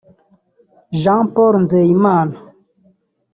Jean Paul Nzeyimana